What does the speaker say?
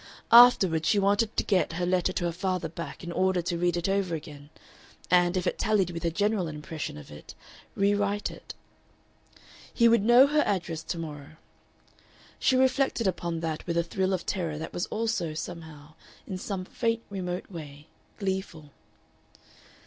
Afterward she wanted to get her letter to her father back in order to read it over again, and, if it tallied with her general impression of it, re write it. He would know her address to morrow. She reflected upon that with a thrill of terror that was also, somehow, in some faint remote way, gleeful.